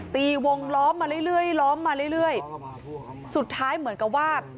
ตีวงล้อมมาเรื่อยเรื่อยล้อมมาเรื่อยเรื่อยสุดท้ายเหมือนกับว่า